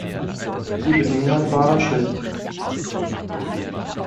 Die Bedingungen waren schlecht.